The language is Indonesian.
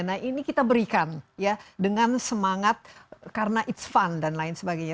nah ini kita berikan ya dengan semangat karena it's fun dan lain sebagainya